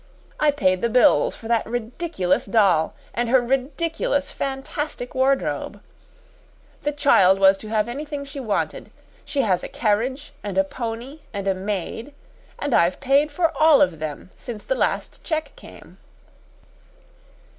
I paid the bills for that ridiculous doll and her ridiculous fantastic wardrobe. The child was to have anything she wanted. She has a carriage and a pony and a maid, and I've paid for all of them since the last cheque came."